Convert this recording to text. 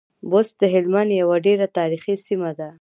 بُست د هلمند يوه ډېره تاريخي سیمه ده.